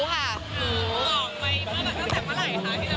ออกไปมาตั้งแต่เมื่อไหร่ค่ะที่จะพาไป